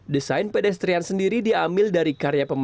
desain pedestrian sendiri diambil dari karya pemuda